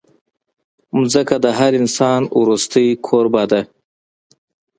ځمکه د هر انسان وروستۍ کوربه ده.